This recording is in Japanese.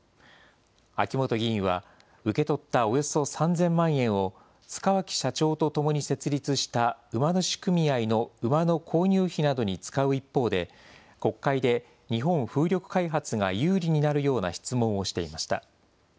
秋本議員は、受け取ったおよそ３０００万円を、塚脇社長とともに設立した馬主組合の馬の購入費などに使う一方で、国会で日本風力開発が有利になるような質問をしていました。